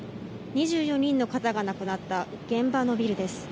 ２４人の方が亡くなった現場のビルです。